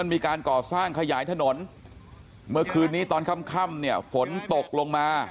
มีการก่อสร้างขยายถนนเมื่อคืนนี้ตอนค่ำเนี่ยฝนตกลงมา